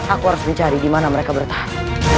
aku harus mencari dimana mereka bertahan